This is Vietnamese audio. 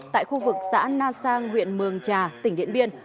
tại khu vực xã na sang huyện mường trà tỉnh điện biên